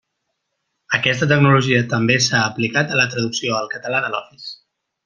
Aquesta tecnologia també s'ha aplicat a la traducció al català de l'Office.